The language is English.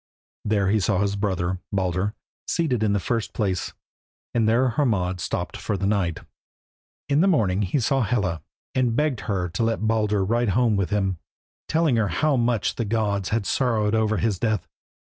There he saw his brother, Baldur, seated in the first place, and there Hermod stopped the night. In the morning he saw Hela, and begged her to let Baldur ride home with him, telling her how much the gods had sorrowed over his death.